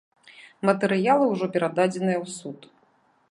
Матэрыялы ўжо перададзеныя ў суд.